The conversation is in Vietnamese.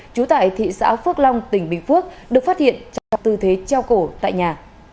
trú tại thị xã phước long tỉnh bình phước được phát hiện trong tư thế treo cổ tại nhà